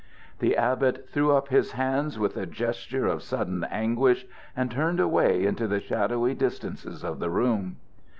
The abbot threw up his hands with a gesture of sudden anguish, and turned away into the shadowy distances of the room.